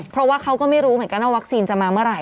เพราะว่าเขาก็ไม่รู้เหมือนกันว่าวัคซีนจะมาเมื่อไห